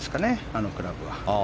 あのクラブは。